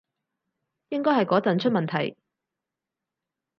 應該係嗰陣出問題